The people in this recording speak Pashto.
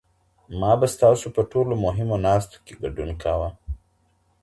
ما به ستا په ټولو مهمو ناستو کې ګډون کاوه.